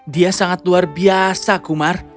dia sangat luar biasa kumar